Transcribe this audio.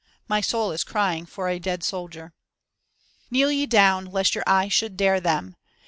My soul is crying for a dead soldier. "Kneel ye down, lest your eyes should dare them.